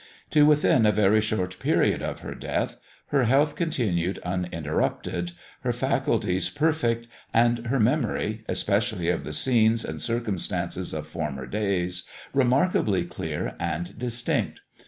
To within a very short period of her death, her health continued uninterrupted, her faculties perfect, and her memory (especially of the scenes and circumstances of former days) remarkably clear and distinct.